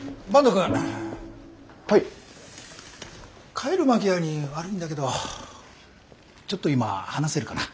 帰る間際に悪いんだけどちょっと今話せるかな？